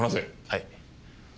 はい。